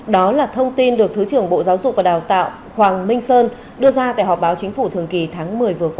đó là thông tin được thứ trưởng bộ giáo dục và đào tạo hoàng minh sơn đưa ra tại họp báo chính phủ thường kỳ tháng một mươi vừa qua